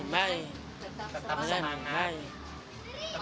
baik tetap senang